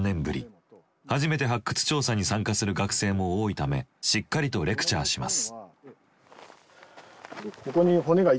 初めて発掘調査に参加する学生も多いためしっかりとレクチャーします。